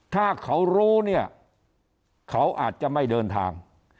ถ้าเขารู้เนี่ยเขาอาจจะไม่เดินทาง